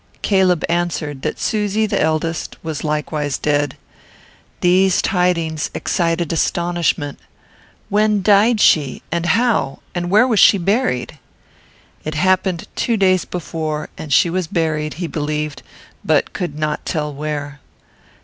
Caleb answered that Susy, the eldest, was likewise dead. These tidings excited astonishment. When died she, and how, and where was she buried? It happened two days before, and she was buried, he believed, but could not tell where.